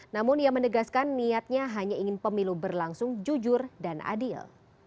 namun ia menegaskan niatnya hanya ingin pemilu berlangsung jujur dan adil